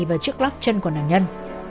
và chiếc lóc chân của nạn nhân